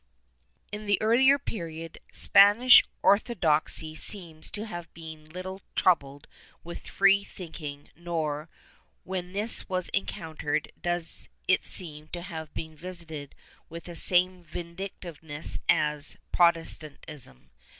In the earlier period, Spanish orthodoxy seems to have been little troubled with free thinking, nor, when this was encountered, does it seem to have been visited with the same vindictiveness as Protestantism.